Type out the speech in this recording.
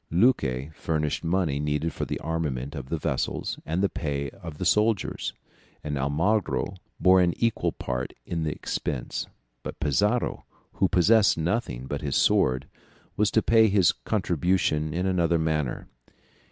Luque furnished money needed for the armament of the vessels and the pay of the soldiers, and Almagro bore an equal part in the expense, but Pizarro, who possessed nothing but his sword, was to pay his contribution in another manner.